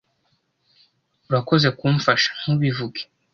"Urakoze kumfasha." "Ntubivuge."